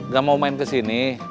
gak mau main ke sini